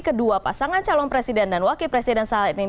kedua pasangan calon presiden dan wakil presiden saat ini